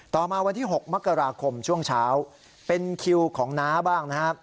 ต่อมาวันที่๖มกราคมช่วงเช้าเป็นคิวของน้าบ้างนะครับ